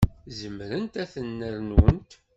Zemrent ad ten-rnunt.